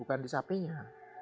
bukan di sapinya